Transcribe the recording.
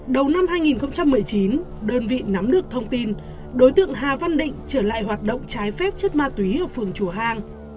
đầu năm hai nghìn một mươi chín đơn vị nắm được thông tin đối tượng hà văn định trở lại hoạt động trái phép chất ma túy ở phường chùa hang